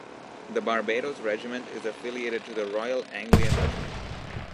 The Barbados Regiment is affiliated to the Royal Anglian Regiment.